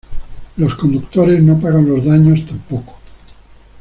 Los conductores no pagan los daños tampoco.